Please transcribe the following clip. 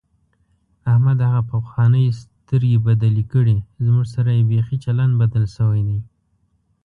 احمد هغه پخوانۍ سترګې بدلې کړې، زموږ سره یې بیخي چلند بدل شوی دی.